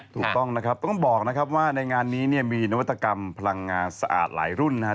ถูกต้องนะครับต้องบอกนะครับว่าในงานนี้เนี่ยมีนวัตกรรมพลังงานสะอาดหลายรุ่นนะครับ